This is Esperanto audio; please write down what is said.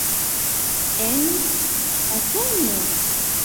En Ateno?